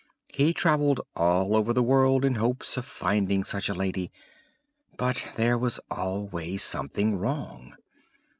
He travelled all over the world in hopes of finding such a lady; but there was always something wrong.